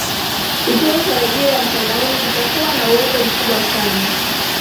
kituo cha redio ya mtandaoni kinatakuwa kuwa na uwezo mkubwa sanas